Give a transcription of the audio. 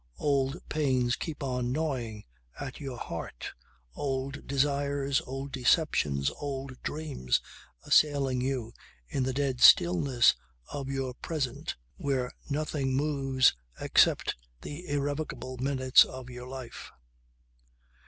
Old pains keep on gnawing at your heart, old desires, old deceptions, old dreams, assailing you in the dead stillness of your present where nothing moves except the irrecoverable minutes of your life.